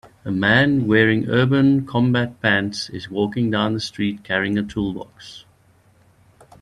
A man wearing urban combat pants is walking down the street carrying a toolbox.